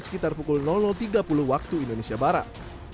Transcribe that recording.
sekitar pukul tiga puluh waktu indonesia barat